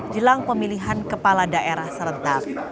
jelang pemilihan kepala daerah serentak